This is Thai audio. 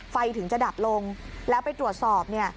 ไฟถึงจะดับลงแล้วไปตรวจสอบเนี่ย